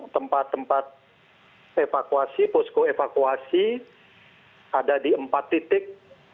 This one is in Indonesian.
tempat tempat evakuasi posko evakuasi ada di empat titik